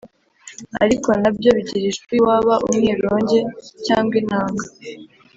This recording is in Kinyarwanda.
Ariko na byo bigira ijwi waba umwironge cyangwa inanga